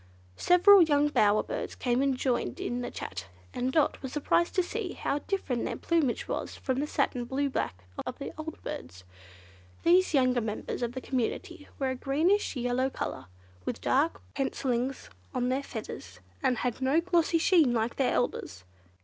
Several young bower birds came and joined in the chat, and Dot was surprised to see how different their plumage was from the satin blue black of the old birds. These younger members of the community were of a greenish yellow colour, with dark pencillings on their feathers, and had no glossy sheen like their elders.